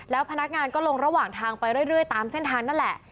แล้วพนักงานก็ลงระหว่างทางไปเรื่อยตามเส้นทางนั่นแหละ